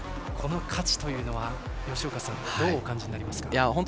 この価値というのは、吉岡さんどうお感じになりますか。